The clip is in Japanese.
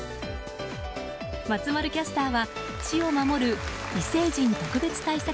松丸キャスターは市を守る異星人特別対策